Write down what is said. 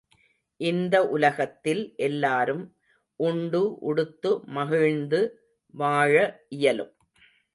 இந்த உலகத்தில் எல்லாரும் உண்டு உடுத்து மகிழ்ந்து வாழ இயலும்.